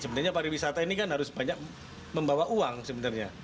sebenarnya pariwisata ini kan harus banyak membawa uang sebenarnya